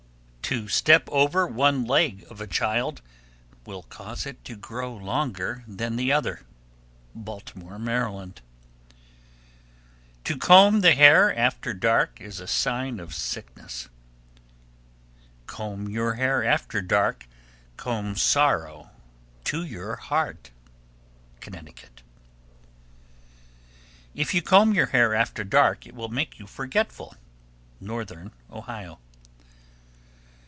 To step over one leg of a child will cause it to grow longer than the other. Baltimore, Md. 1290. To comb the hair after dark is a sign of sickness. Comb your hair after dark, Comb sorrow to your heart. Connecticut. 1291. If you comb your hair after dark, it will make you forgetful. _Northern Ohio.